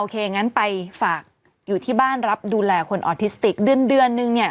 อ่ะโอเคงั้นไปฝากอยู่ที่บ้านรับดูแลคนดื้อนเนื่องเนี่ย